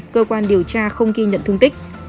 cơ quan điều tra không ghi nhận thương tích